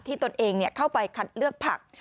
ตนเองเข้าไปคัดเลือกผัก